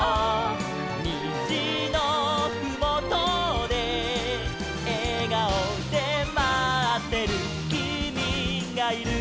「にじのふもとでえがおでまってるきみがいる」